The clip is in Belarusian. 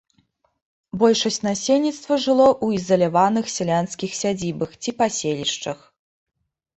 Большасць насельніцтва жыло ў ізаляваных сялянскіх сядзібах ці паселішчах.